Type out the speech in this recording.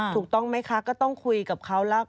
ถูกต้องไหมคะก็ต้องคุยกับเขาแล้ว